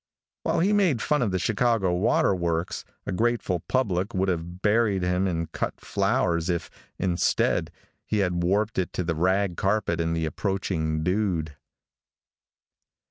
While he made fun of the Chicago water works, a grateful public would have buried him in cut flowers if, instead, he had warped it to the rag carpet and the approaching dude.